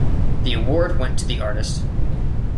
The award went to the artist.